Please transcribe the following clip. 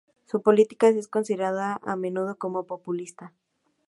Su política es considerada a menudo como populista.